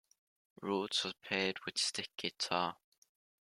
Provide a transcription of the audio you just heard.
Roads are paved with sticky tar.